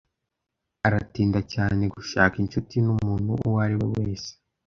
Aratinda cyane gushaka inshuti numuntu uwo ari we wese.